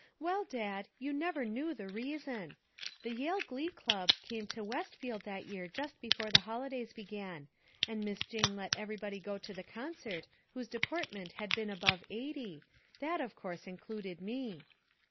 Well, Dad, you never knew the reason. The Yale Glee Club came to Westfield that year just before the holidays began, and Miss Jane let everybody go to the concert whose deportment had been above eighty that of course included me.